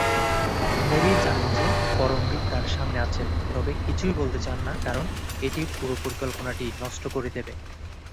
Mary জানেন যে পরমবীর তার সামনে আছেন তবে কিছুই বলতে চান না কারণ এটি পুরো পরিকল্পনাটি নষ্ট করে দেবে।